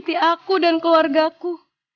sudah menyakiti aku dan keluargaku